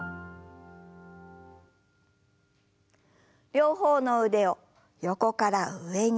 両方の腕を横から上に。